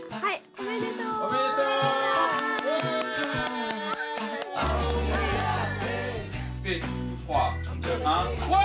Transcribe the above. おめでとう！わ！